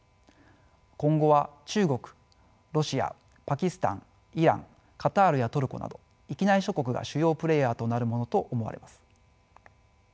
今後は中国ロシアパキスタンイランカタールやトルコなど域内諸国が主要プレーヤーとなるものと思われます。